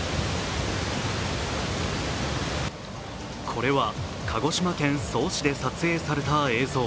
これは鹿児島県曽於市で撮影された映像。